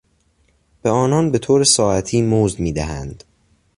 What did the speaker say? به آنان به طور ساعتی مزد میدهند.